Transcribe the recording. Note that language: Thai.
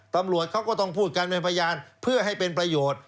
ตำรวจเขาก็ต้องพูดกันเป็นพยานเพื่อให้เป็นประโยชน์